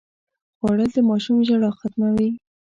خوړل د ماشوم ژړا ختموي